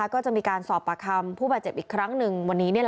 ก็จะมีการสอบประคำผู้แบบเจ็บอีกครั้งหนึ่ง